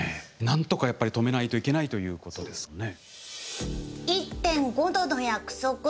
なんとかやっぱり止めないといけないということですね。